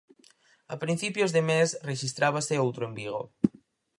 A principios de mes rexistrábase outro en Vigo.